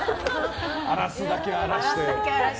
荒らすだけ荒らして。